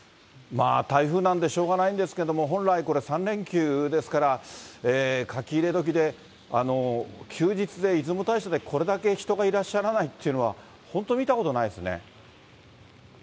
台風なんでしょうがないんですけれども、本来、これ３連休ですから、書き入れ時で、休日で出雲大社でこれだけ人がいらっしゃらないというのは、本当見たことないですね。